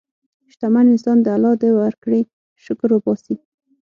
شتمن انسان د الله د ورکړې شکر وباسي.